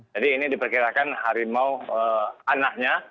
jadi ini diperkirakan harimau anaknya